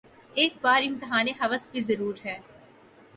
یک بار امتحانِ ہوس بھی ضرور ہے